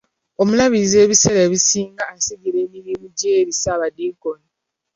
Omulabirizi ebiseera ebisinga asigira emirimu gye eri saabadinkoni.